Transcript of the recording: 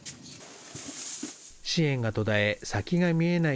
支援が途絶え、先が見えない